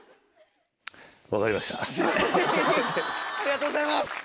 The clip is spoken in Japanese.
ありがとうございます！